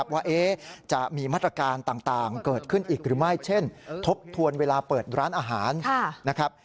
ว่าจะมีมาตรการต่างเกิดขึ้นอีกหรือไม่เช่นทบทวนเวลาเปิดร้านอาหารนะครับ